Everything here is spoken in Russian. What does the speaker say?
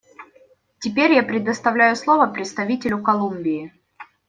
Теперь я предоставляю слово представителю Колумбии.